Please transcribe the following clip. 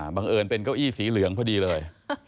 บังเอิญเป็นเก้าอี้สีเหลืองพอดีเลย